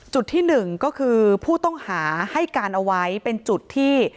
จุดที่หนึ่งก็คือผู้ต้องหาให้การเอาไว้เป็นจุดที่